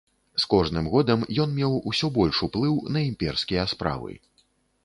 З кожным годам ён меў усё больш уплыў на імперскія справы.